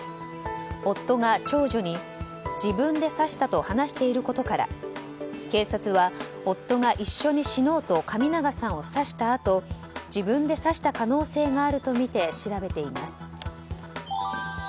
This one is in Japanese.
夫が長女に自分で刺したと話していることから警察は、夫が一緒に死のうと神長さんを刺したあと自分で刺した可能性があるとみて調べています。